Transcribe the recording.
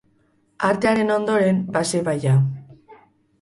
Artearen ondoren, baseballa.